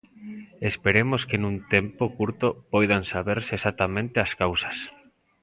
Esperemos que nun tempo curto poidan saberse exactamente as causas.